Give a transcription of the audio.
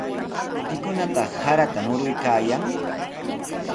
¿Pikunataq sarata muruykaayan?